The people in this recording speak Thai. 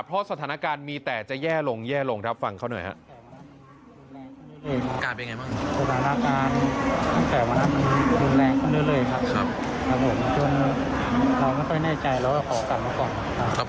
เพราะสถานการณ์มีแต่จะแย่ลงแย่ลงครับฟังเขาหน่อยครับ